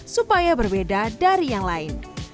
supaya berbeda dari yang lain